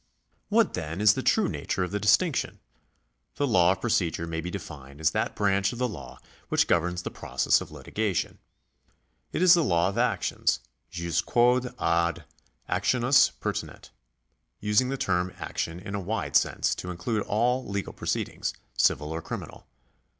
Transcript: What, then, is the true nature of the distinction ? The law of procedure may be defined as that branch of the law 437 438 THE LAW OF PROCEDURE [§ 172 which governs the process of litigation. It is the law of actions — jus quod ad actiones pertinet— using the term action in a wide sense to include all legal proceedings, civil or criminal.